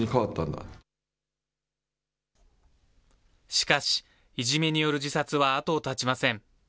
しかし、いじめによる自殺は後を絶ちません。